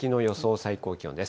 最高気温です。